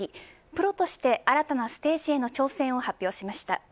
プロとして新たなステージへの挑戦を発表しました。